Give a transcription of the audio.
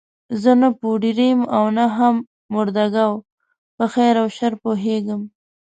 زه نه پوډري یم او نه هم مرده ګو، په خیر او شر پوهېږم.